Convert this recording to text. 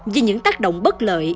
vì những tác động bất lợi